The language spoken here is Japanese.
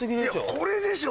これでしょ。